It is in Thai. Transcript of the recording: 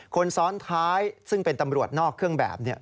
คนซ้อนท้ายซึ่งเป็นตำรวจนอกเครื่องแบบเนี่ย